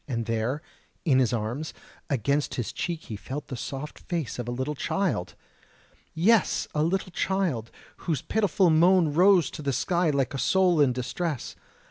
and there, in his arms, against his cheek he felt the soft face of a little child!... Yes, a little child, whose pitiful moan rose to the sky like a soul in distress.